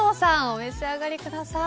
お召し上がりください。